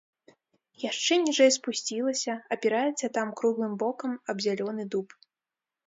Яшчэ ніжэй спусцілася, апіраецца там круглым бокам аб зялёны дуб.